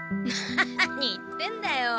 何言ってんだよ。